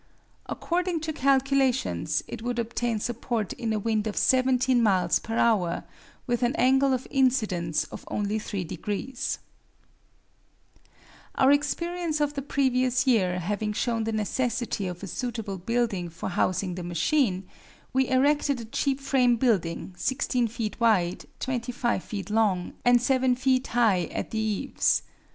According to calculations, it would obtain support in a wind of 17 miles per hour with an angle of incidence of only three degrees. Our experience of the previous year having shown the necessity of a suitable building for housing the machine, we erected a cheap frame building, 16 feet wide, 25 feet long, and 7 feet high at the eaves.